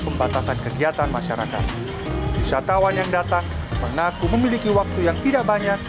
pembatasan kegiatan masyarakat wisatawan yang datang mengaku memiliki waktu yang tidak banyak